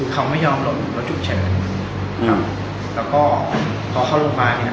เขาไม่ยอมลงรถฉุกเฉินครับแล้วก็พอเข้าโรงพยาบาลเนี่ย